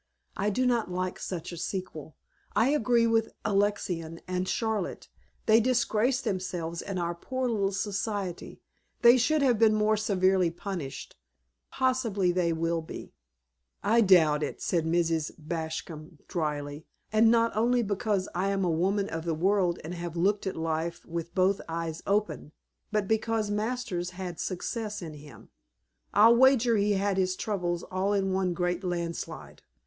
"I do not like such a sequel. I agree with Alexina and Charlotte. They disgraced themselves and our proud little Society; they should have been more severely punished. Possibly they will be." "I doubt it," said Mrs. Bascom drily. "And not only because I am a woman of the world and have looked at life with both eyes open, but because Masters had success in him. I'll wager he's had his troubles all in one great landslide.